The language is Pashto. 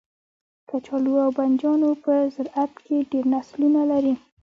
کچالو او بنجانو په زرعت کې ډیر نسلونه لرو